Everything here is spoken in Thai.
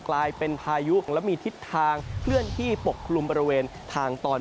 กลายเป็นพายุและมีทิศทางเคลื่อนที่ปกคลุมบริเวณทางตอน